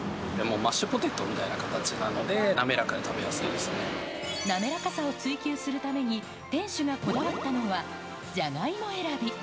マッシュポテトみたいな形なので、滑らかさを追求するために、店主がこだわったのは、ジャガイモ選び。